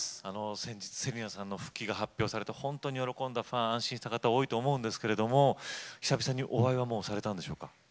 先月、芹奈さんの復帰が発表されて本当に喜んだファン安心した方、多いと思うんですけど久々にお会いされたんでしょうか。